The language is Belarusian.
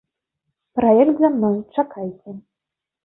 Праект за мной, чакайце.